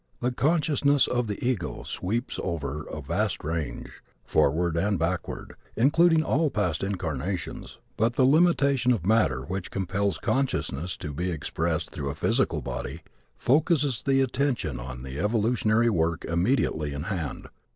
The consciousness of the ego sweeps over a vast range, forward and backward, including all past incarnations. But the limitation of matter which compels consciousness to be expressed through a physical body, focuses the attention on the evolutionary work immediately in hand.